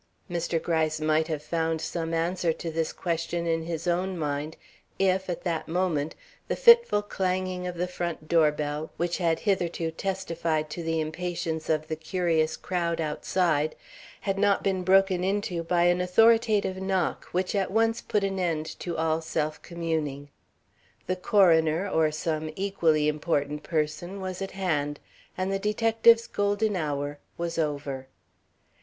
Mr. Gryce might have found some answer to this question in his own mind if, at that moment, the fitful clanging of the front door bell, which had hitherto testified to the impatience of the curious crowd outside, had not been broken into by an authoritative knock which at once put an end to all self communing. The coroner, or some equally important person, was at hand, and the detective's golden hour was over.